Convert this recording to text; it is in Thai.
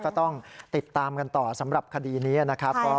ก็ต้องติดตามกันต่อสำหรับคดีนี้นะครับ